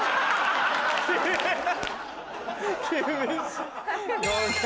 厳しい。